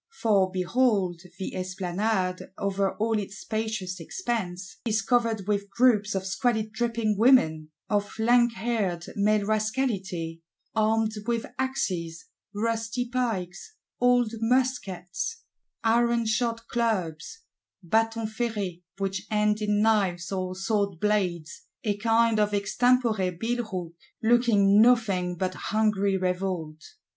For, behold, the Esplanade, over all its spacious expanse, is covered with groups of squalid dripping Women; of lankhaired male Rascality, armed with axes, rusty pikes, old muskets, ironshod clubs (batons ferrés, which end in knives or sword blades, a kind of extempore billhook);—looking nothing but hungry revolt.